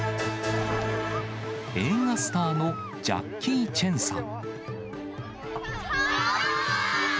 映画スターのジャッキー・チェンさん。